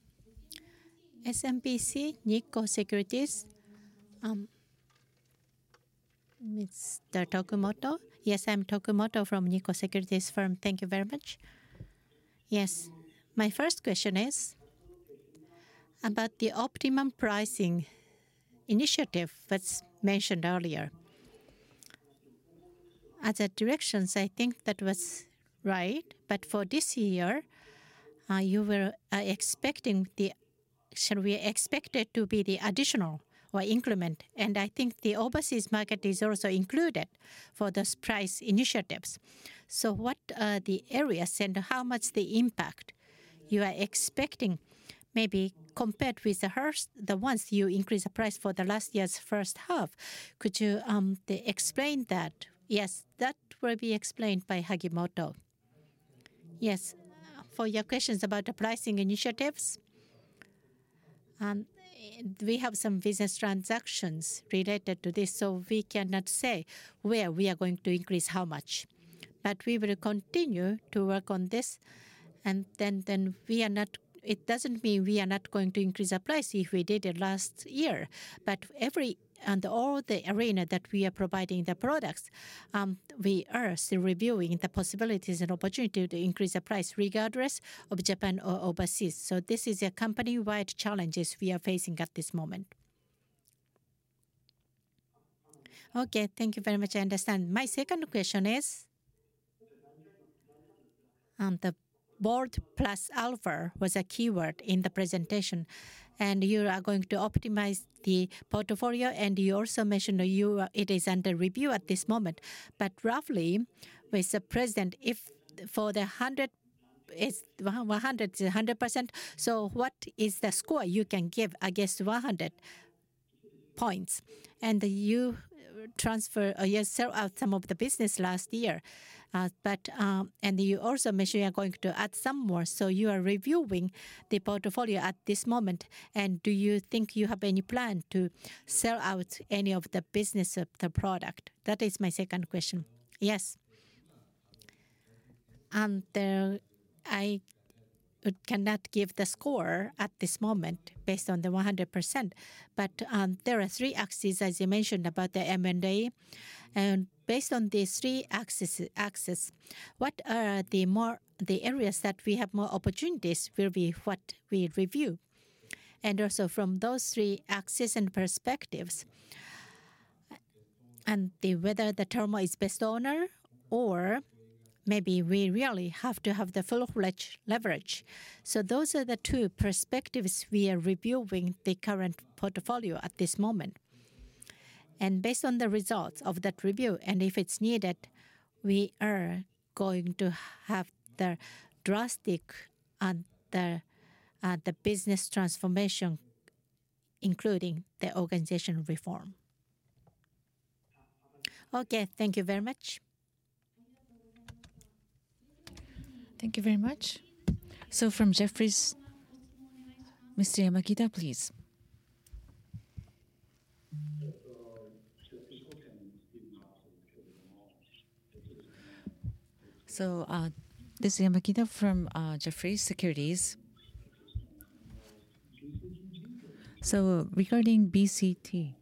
SMBC Nikko Securities. Mr.Tokumoto, yes, I'm Tokumoto from Nikko Securities firm. Thank you very much. Yes, my first question is about the optimum pricing initiative that's mentioned earlier. As a directions, I think that was right. But for this year, you were expecting the, should we expect it to be the additional or increment? And I think the overseas market is also included for those price initiatives. So, what are the areas and how much the impact you are expecting maybe compared with the ones you increased the price for the last year's first half? Could you explain that? Yes, that will be explained by Hagimoto. Yes, for your questions about the pricing initiatives. We have some business transactions related to this, so we cannot say where we are going to increase how much. But we will continue to work on this. And then we are not. It doesn't mean we are not going to increase the price if we did it last year. But every and all the arena that we are providing the products, we are still reviewing the possibilities and opportunity to increase the price regardless of Japan or overseas. So, this is a company-wide challenges we are facing at this moment. Okay, thank you very much. I understand. My second question is. The board plus alpha was a keyword in the presentation. And you are going to optimize the portfolio. And you also mentioned it is under review at this moment. But roughly, with the president, if for the 100, it's 100, it's 100%. So, what is the score you can give against 100 points? And you transfer, yes, sell out some of the business last year. And you also mentioned you are going to add some more. So, you are reviewing the portfolio at this moment. And do you think you have any plan to sell out any of the business of the product? That is my second question. Yes. And there, I cannot give the score at this moment based on the 100%. But there are three axes, as you mentioned, about the M&A. And based on these three axes, what are the more, the areas that we have more opportunities will be what we review. And also from those three axes and perspectives. And whether the Terumo is best owner or maybe we really have to have the full leverage. So, those are the two perspectives we are reviewing the current portfolio at this moment. And based on the results of that review, and if it's needed, we are going to have the drastic and the business transformation, including the organization reform. Okay, thank you very much. Thank you very much. So, from Jefferies, Mr. Yamakita, please. So, this is Yamakita from Jefferies Securities. So, regarding BCT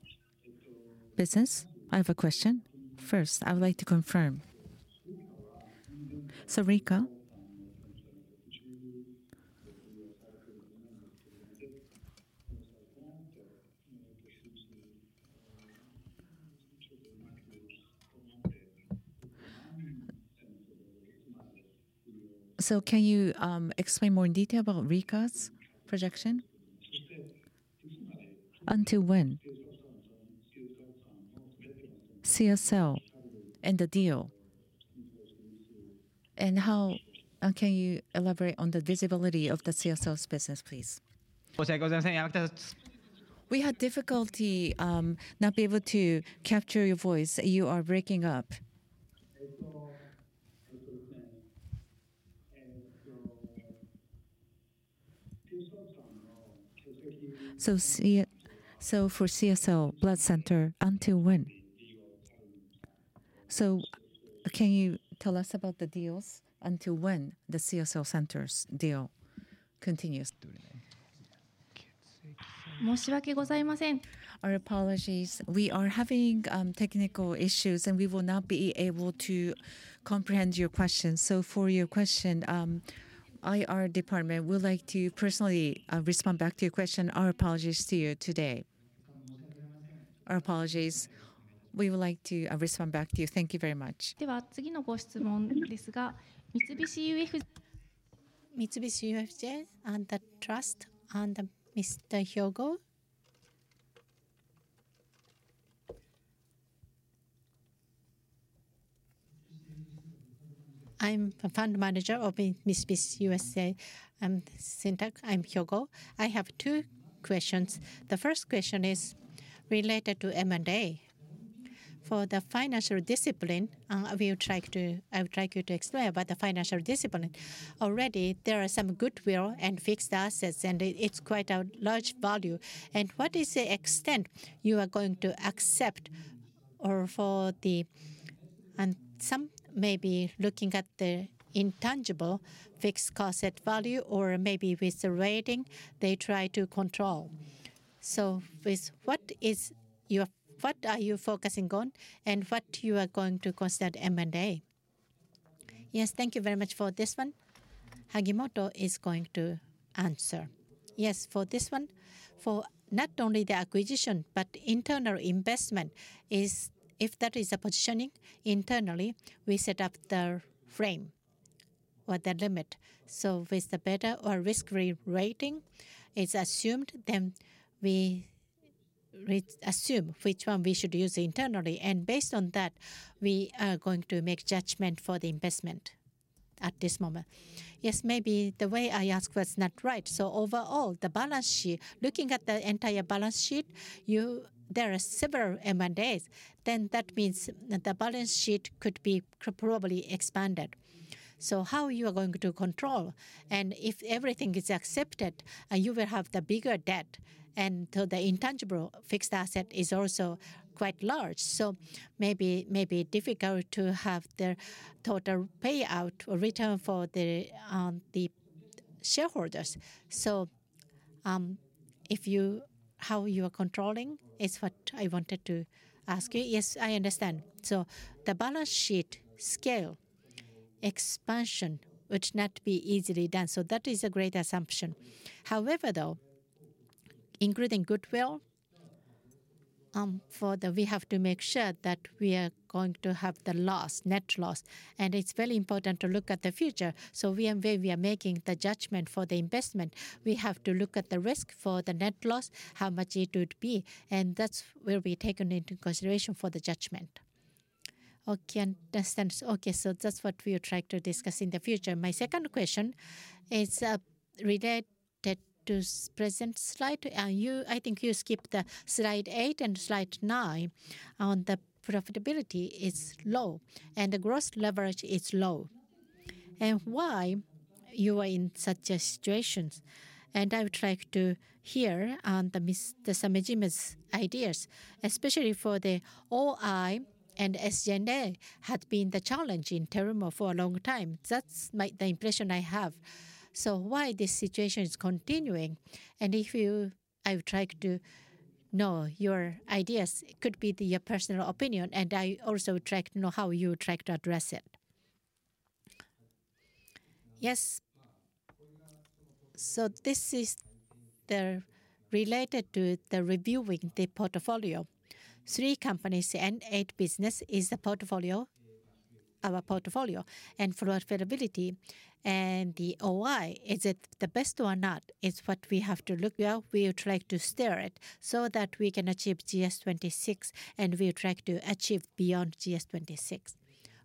business, I have a question. First, I would like to confirm. So, RIKA. So, can you explain more in detail about RIKA's projection? Until when? CSL and the deal. And how can you elaborate on the visibility of the CSL's business, please? We had difficulty not being able to capture your voice. You are breaking up. So, for CSL Blood Center, until when? So, can you tell us about the deals until when the CSL Center's deal continues? Our apologies. We are having technical issues and we will not be able to comprehend your question. So, for your question, IR department, we would like to personally respond back to your question. Our apologies to you today. Our apologies. We would like to respond back to you. Thank you very much. Mitsubishi UFJ Trust and Mr. Hyogo. I'm the fund manager of Mitsubishi UFJ Trust and Banking. I'm Hyogo. I have two questions. The first question is related to M&A. For the financial discipline, I would like you to explain about the financial discipline. Already, there are some goodwill and fixed assets and it's quite a large value. And what is the extent you are going to accept or for the, and some may be looking at the intangible fixed asset value or maybe with the rating they try to control. So, with what is your, what are you focusing on and what you are going to consider M&A? Yes, thank you very much for this one. Hagimoto is going to answer. Yes, for this one, for not only the acquisition, but internal investment is, if that is a positioning internally, we set up the frame or the limit. So, with the beta or risk-free rate, it's assumed then we assume which one we should use internally. And based on that, we are going to make judgment for the investment at this moment. Yes, maybe the way I asked was not right. So, overall, the balance sheet, looking at the entire balance sheet, there are several M&As. Then that means the balance sheet could be probably expanded. So, how you are going to control? And if everything is accepted, you will have the bigger debt. And the intangible fixed asset is also quite large. So, maybe difficult to have the total payout or return for the shareholders. So, how you are controlling is what I wanted to ask you. Yes, I understand. So, the balance sheet scale expansion would not be easily done. So, that is a great assumption. However, though, including goodwill, for the, we have to make sure that we are going to have the loss, net loss. And it's very important to look at the future. So, we are where we are making the judgment for the investment. We have to look at the risk for the net loss, how much it would be. And that's where we take it into consideration for the judgment. Okay, I understand. Okay, so that's what we will try to discuss in the future. My second question is related to present slide. And you, I think you skipped the slide eight and slide nine on the profitability is low and the gross leverage is low. Why you are in such a situation? I would like to hear Mr. Samejima's ideas, especially for the OI and SG&A had been the challenge in Terumo for a long time. That's the impression I have. So, why this situation is continuing? And if you, I would like to know your ideas. It could be your personal opinion. And I also would like to know how you would like to address it. Yes. So, this is the related to the reviewing the portfolio. Three companies and eight business is the portfolio, our portfolio. And for profitability and the OI, is it the best or not? It's what we have to look at. We will try to steer it so that we can achieve GS26 and we will try to achieve beyond GS26.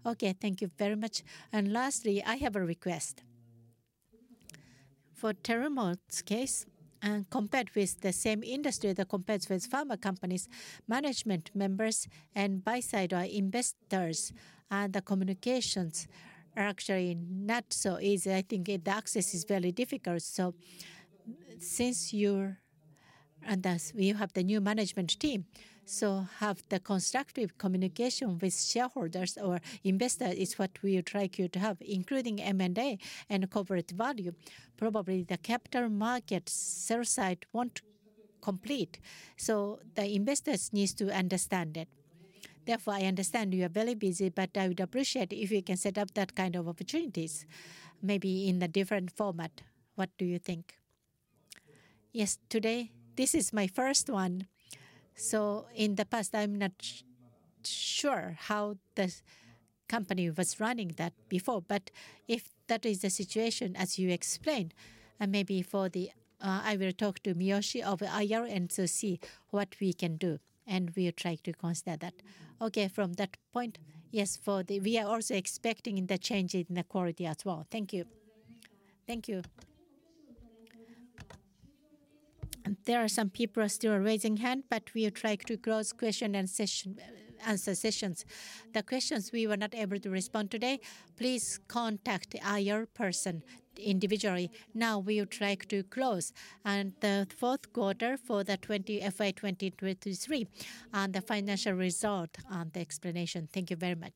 Okay, thank you very much. And lastly, I have a request. For Terumo's case, compared with the same industry, the comparison with pharma companies, management members and buy-side investors and the communications are actually not so easy. I think the access is very difficult. So, since you and you have the new management team, so have the constructive communication with shareholders or investors is what we would like you to have, including M&A and corporate value. Probably the capital market sell-side won't complete. So, the investors need to understand it. Therefore, I understand you are very busy, but I would appreciate if you can set up that kind of opportunities, maybe in a different format. What do you think? Yes, today, this is my first one. So, in the past, I'm not sure how the company was running that before. But if that is the situation, as you explain, maybe for the, I will talk to Miyoshi of IR and to see what we can do. And we will try to consider that. Okay, from that point, yes, for the, we are also expecting the change in the quality as well. Thank you. Thank you. There are some people still raising hands, but we will try to close question and session, answer sessions. The questions we were not able to respond today, please contact IR person individually. Now we will try to close and the fourth quarter for the FY 2023 and the financial result and the explanation. Thank you very much.